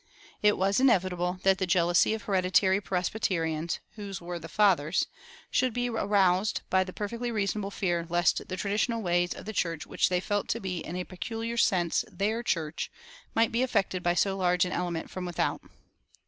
It was inevitable that the jealousy of hereditary Presbyterians, "whose were the fathers," should be aroused by the perfectly reasonable fear lest the traditional ways of the church which they felt to be in a peculiar sense their church might be affected by so large an element from without.